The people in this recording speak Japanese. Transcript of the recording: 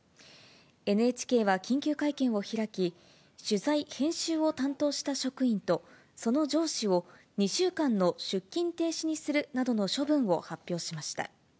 ＮＨＫは緊急会見を開き、取材・編集を担当した職員とその上司を２週間の出勤停止にするなどの処分を発表しました。